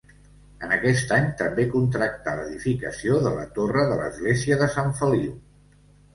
En aquest any també contractà l’edificació de la torre de l’església de Sant Feliu.